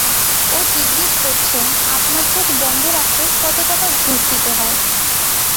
ও জিজ্ঞেস করছে আপনার চোখ বন্ধ রাখতে কত টাকা ঘুষ দিতে হয়?